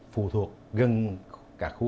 phù thuộc gần cả khu